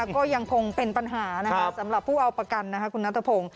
ก็ยังคงเป็นปัญหาสำหรับผู้เอาประกันคุณนัทพงศ์